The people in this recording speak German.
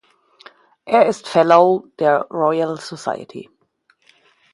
Er ist Fellow der Royal Society.